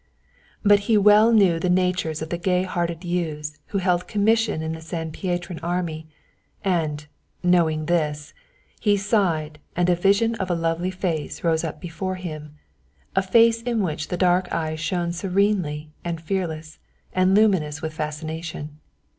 But he well knew the natures of the gay hearted youths who held commission in the San Pietran army, and, knowing this, he sighed, and a vision of a lovely face rose up before him, a face in which the dark eyes shone serenely and fearless, and luminous with fascination.